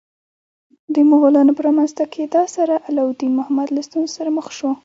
د مغولانو په رامنځته کېدا سره علاوالدین محمد له ستونزو سره مخ شو.